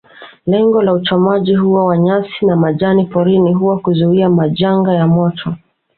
Lengo la uchomaji huo wa nyasi na majani porini huwa kuzuia majanga ya moto